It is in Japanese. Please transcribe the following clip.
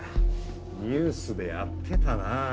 ニュースでやってたなぁ。